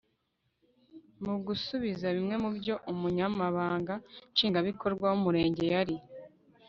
mu gusubiza bimwe mu byo umunyamabanga nshingwabikorwa w'umurenge yari